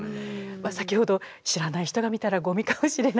先ほど知らない人が見たらゴミかもしれないって。